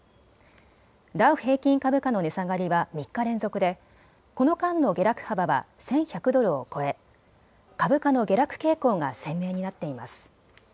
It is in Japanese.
ダウ平均株価の値下がりは３日連続で、この間の下落幅は１１００ドルを超え株価の下落傾向が鮮明になっています。